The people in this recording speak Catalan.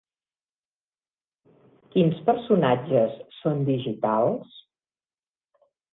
Quins personatges són digitals?